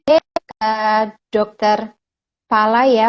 dr pala ya